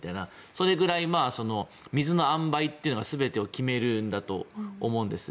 それぐらい水のあんばいというのは全てを決めるんだと思うんです。